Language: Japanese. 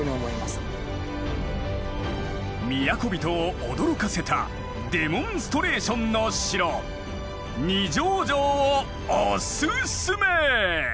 都人を驚かせたデモンストレーションの城二条城をおすすめ！